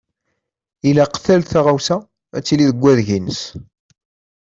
Ilaq tal taɣawsa ad tili deg wadeg-ines.